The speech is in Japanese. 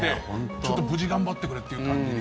ちょっと、無事頑張ってくれっていう感じ。